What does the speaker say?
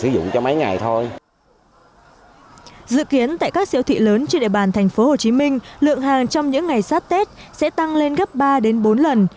dự kiến tại các siêu thị lớn trên địa bàn thành phố hồ chí minh lượng hàng trong những ngày sát tết sẽ tăng lên gấp ba đến bốn lần